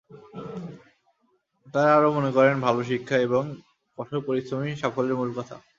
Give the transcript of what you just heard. তাঁরা আরও মনে করেন, ভালো শিক্ষা এবং কঠোর পরিশ্রমই সাফল্যের মূল কথা।